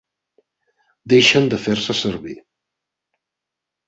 Deixen de fer-se servir.